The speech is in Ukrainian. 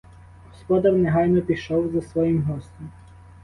Господар негайно пішов за своїм гостем.